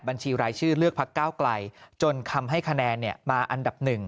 บัญชีรายชื่อเลือกพักก้าวไกลจนทำให้คะแนนมาอันดับหนึ่ง